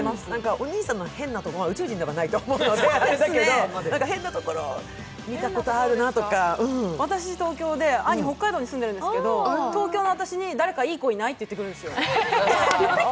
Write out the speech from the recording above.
お兄さんの変なとこ宇宙人ではないと思うけど、私、東京で兄は北海道に住んでるんですけど、東京の私に、誰かいい子いない？って聞いてくるんですよ。